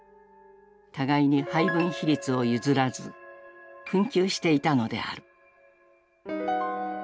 互いに配分比率を譲らず紛糾していたのである。